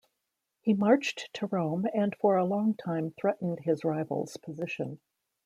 He marched to Rome and for a long time threatened his rival's position.